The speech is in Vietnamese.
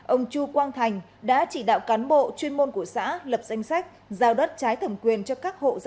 ông chu quang thành đã chỉ đạo cán bộ chuyên môn của xã lập danh sách giao đất trái thẩm quyền cho các hộ gia đình